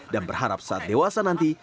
dan berharap saat dewasa nanti